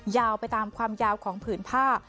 ยาวไปตามความยาวของผืนผ้า